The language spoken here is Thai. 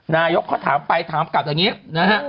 นายกเขาถามไปถามกลับอย่างนี้นะฮะ